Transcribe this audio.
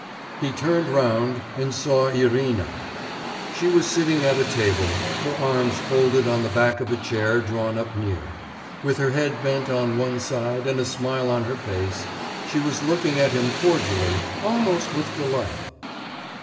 He turned round and saw Irina. She was sitting at a table, her arms folded on the back of a chair drawn up near; with her head bent on one side and a smile on her face, she was looking at him cordially, almost with delight.